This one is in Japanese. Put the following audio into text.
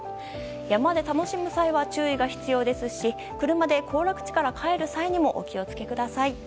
山で楽しむ際は注意が必要ですし車で行楽地から帰る際にも気を付けてください。